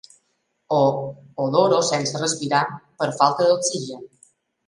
Ho oloro sense respirar, per falta d'oxigen.